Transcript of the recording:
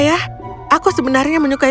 ayah aku sebenarnya mencintai